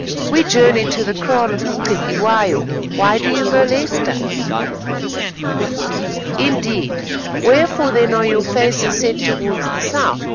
"We journey to the kraal of U'Cetywayo; why do you molest us?" "Indeed. Wherefore then are your faces set towards the south?